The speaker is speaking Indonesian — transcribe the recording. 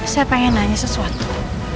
saya ingin bertanya sesuatu